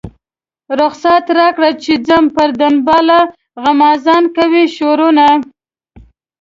رخصت راکړه چې ځم پر دنباله غمازان کوي شورونه.